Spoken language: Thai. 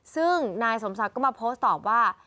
ซึ่งนายสมศักดิ์ก็มาโพสต์ตอบว่า